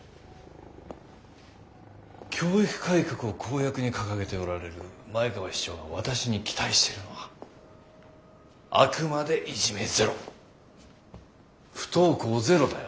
教育改革を公約に掲げておられる前川市長が私に期待しているのはあくまでいじめゼロ不登校ゼロだよ。